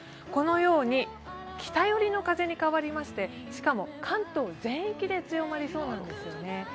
このように北寄りの風に変わりまして、しかも関東全域で強まりそうなんですよね。